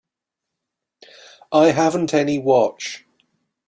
I haven't any watch.